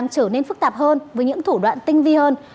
sẽ rất phức tạp hơn với những thủ đoạn tinh vi hơn